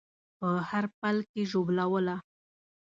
په هر پل کې ژوبلوله